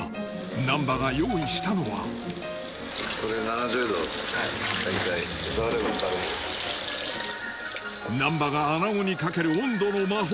難波が用意したのは難波が穴子にかける温度の魔法。